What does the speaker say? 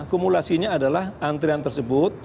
kumulasinya adalah antrian tersebut